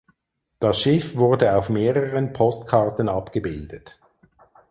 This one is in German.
Das Schiff wurde auf mehreren Postkarten abgebildet.